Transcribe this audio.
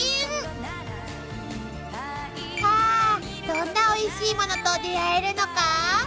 どんなおいしいものと出合えるのか？］